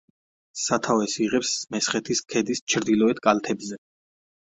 სათავეს იღებს მესხეთის ქედის ჩრდილოეთ კალთებზე.